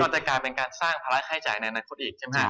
ก็จะกลายเป็นการสร้างภาระไข่จ่ายในอนาคตอีกใช่มั้ยครับ